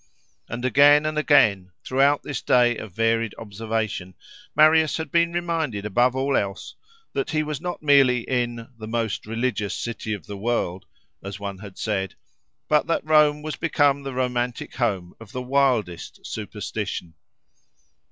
And again and again, throughout this day of varied observation, Marius had been reminded, above all else, that he was not merely in "the most religious city of the world," as one had said, but that Rome was become the romantic home of the wildest superstition.